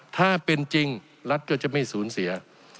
ถ้าเป็นจริงรัฐก็จะไม่สูญเสีย